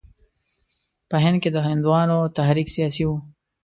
په هند کې د هندوانو تحریک سیاسي وو.